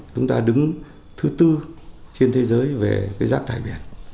chúng ta đứng thứ tư trên thế giới về rác thải biển